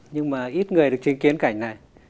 nhưng mà ít người được truyền kiến cảnh này